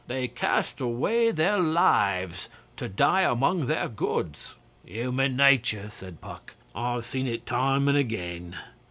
They cast away their lives to die among their goods.' 'Human nature,' said Puck. 'I've seen it time and again.